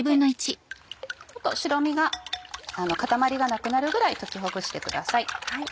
白身の固まりがなくなるぐらい溶きほぐしてください。